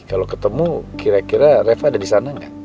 kalo ketemu kira kira reva ada disana gak